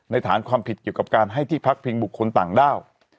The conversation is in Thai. ฐานความผิดเกี่ยวกับการให้ที่พักพิงบุคคลต่างด้าว